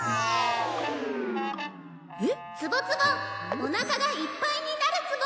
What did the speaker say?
おなかがいっぱいになるツボ！